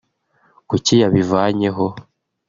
kuki yabivanyeho